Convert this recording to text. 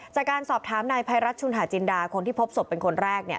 จากการสอบถามนายภัยรัฐชุนหาจินดาคนที่พบศพเป็นคนแรกเนี่ย